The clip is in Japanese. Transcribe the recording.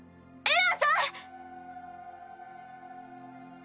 エランさん！